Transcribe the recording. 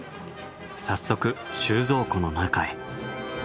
早速収蔵庫の中へ。